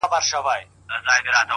د وخت پاچا زما اته ي دي غلا كړي،